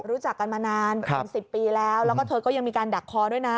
รู้จักกันมานานเป็น๑๐ปีแล้วแล้วก็เธอก็ยังมีการดักคอด้วยนะ